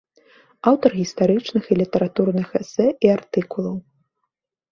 Аўтар гістарычных і літаратурных эсэ і артыкулаў.